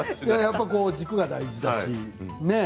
軸が大事だし。